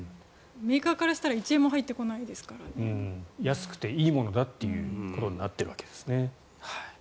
メーカーからしたら１円も入ってこないですからね。安くていいものだということになっているわけですね。